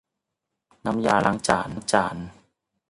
น้ำยาล้างจาน